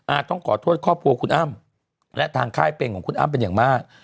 ต้องขอโทษครอบครัวคุณอ้ำและทางค่ายเป็นของคุณอ้ำเป็นอย่างมาก